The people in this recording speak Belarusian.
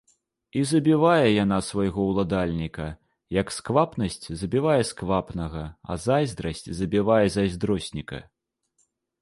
І забівае яна свайго ўладальніка, як сквапнасць забівае сквапнага, а зайздрасць забівае зайздросніка.